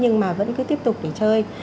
nhưng mà vẫn cứ tiếp tục để chơi